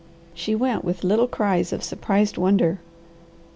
She went with little cries of surprised wonder.